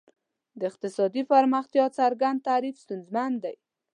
د اقتصادي پرمختیا څرګند تعریف ستونزمن دی.